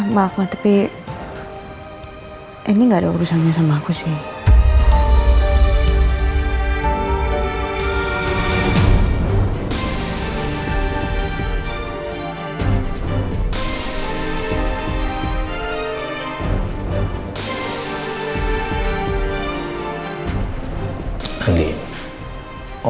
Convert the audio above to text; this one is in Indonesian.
maaf tapi ini gak ada urusannya sama aku sih